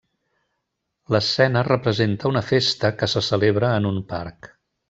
L'escena representa una festa que se celebra en un parc.